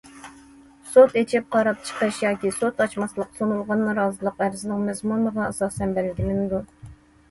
سوت ئېچىپ قاراپ چىقىش ياكى سوت ئاچماسلىق سۇنۇلغان نارازىلىق ئەرزىنىڭ مەزمۇنىغا ئاساسەن بەلگىلىنىدۇ.